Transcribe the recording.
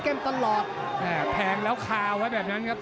หรือว่าผู้สุดท้ายมีสิงคลอยวิทยาหมูสะพานใหม่